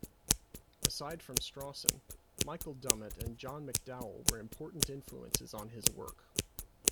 Aside from Strawson, Michael Dummett and John McDowell were important influences on his work.